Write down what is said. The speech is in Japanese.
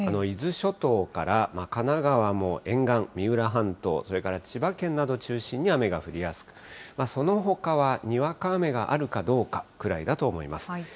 伊豆諸島から、神奈川の沿岸、三浦半島、それから千葉県などを中心に雨が降りやすく、そのほかはにわか雨があるかどうかくらいだと思います。